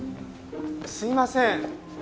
すいません。